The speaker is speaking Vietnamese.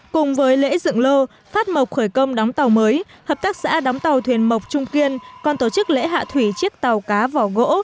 cùng với lễ dựng lô phát mộc khởi công đóng tàu mới hợp tác xã đóng tàu thuyền mộc trung kiên còn tổ chức lễ hạ thủy chiếc tàu cá vỏ gỗ